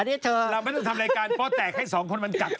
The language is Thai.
เราไม่ต้องทำรายการป๊อตแตกให้๒คนมันกัด